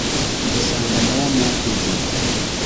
gusanga nowa mu nkuge